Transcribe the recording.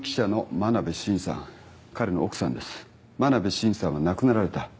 真鍋伸さんは亡くなられた。